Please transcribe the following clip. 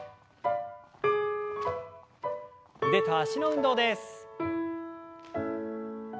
腕と脚の運動です。